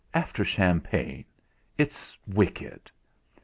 After champagne it's wicked!"